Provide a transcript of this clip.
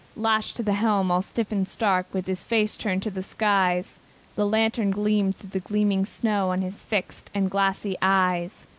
Lashed to the helm, all stiff and stark, With his face turned to the skies, The lantern gleamed through the gleaming snow On his fixed and glassy eyes.